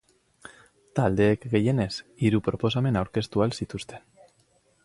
Taldeek, gehienez, hiru proposamen aurkeztu ahal zituzten.